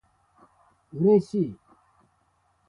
嬉しい